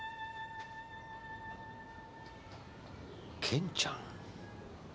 健ちゃん？